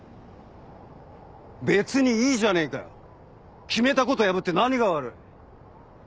別にいいじゃねえか決めたこと破って何が悪い？